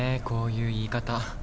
こういう言い方。